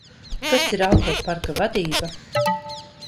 Kas ir autoparka vadība?